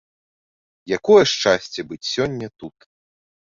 Якое шчасце быць сёння тут.